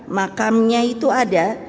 makamnya itu ada